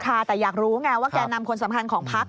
แต่อยากรู้ไงว่าแก่นำคนสำคัญของพัก